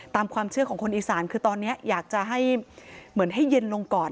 ตามความเชื่อของคนอีสานคือตอนนี้อยากจะให้เหมือนให้เย็นลงก่อน